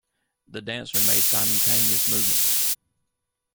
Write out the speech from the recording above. The dancer made simultaneous movements.